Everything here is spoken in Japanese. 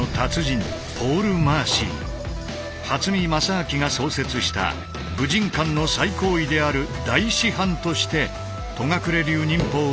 初見良昭が創設した武神館の最高位である大師範として戸隠流忍法をはじめとした超実戦派